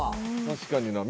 確かにな。